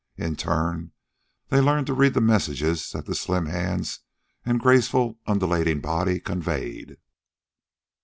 In turn, they learned to read the messages that the slim hands and graceful, undulating body conveyed.